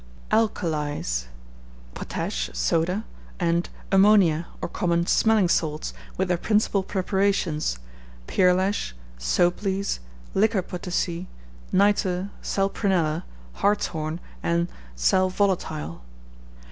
ALKALIS: Potash, Soda, and Ammonia, or common Smelling Salts, with their principal preparations Pearlash, Soap Lees, Liquor Potassae, Nitre, Sal Prunella, Hartshorn, and _Sal Volatile.